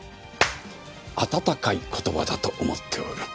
温かい言葉だと思っておる。